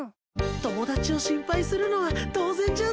友達を心配するのは当然じゃない。